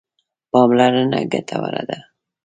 پاملرنه ګټوره ده.